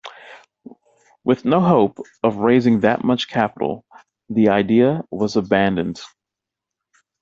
With no hope of raising that much capital, the idea was abandoned.